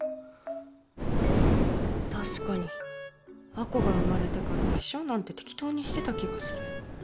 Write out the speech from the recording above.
亜子が生まれてから化粧なんて適当にしてた気がする。